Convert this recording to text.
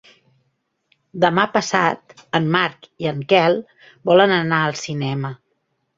Demà passat en Marc i en Quel volen anar al cinema.